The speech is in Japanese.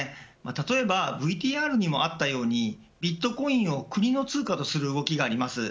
たとえばＶＴＲにもあったようにビットコインを国の通貨とする動きがあります。